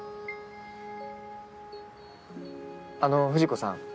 あの藤子さん。